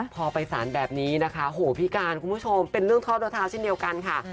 พอไปสารแบบนี้นะคะโหพี่การคุณผู้ชมเป็นเรื่องท่อตัวเท้าเช่นเดียวกันค่ะ